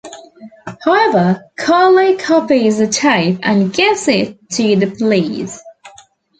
However, Carly copies the tape and gives it to the police.